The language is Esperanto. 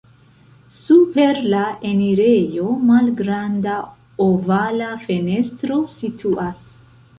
Super la enirejo malgranda ovala fenestro situas.